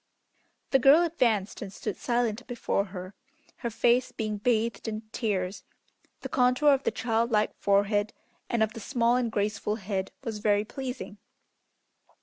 The girl advanced and stood silent before her, her face being bathed in tears. The contour of the child like forehead and of the small and graceful head was very pleasing.